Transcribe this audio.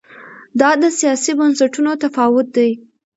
دا د سیاسي بنسټونو تفاوت دی.